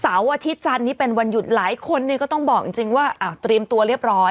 อาทิตย์จันนี้เป็นวันหยุดหลายคนก็ต้องบอกจริงว่าเตรียมตัวเรียบร้อย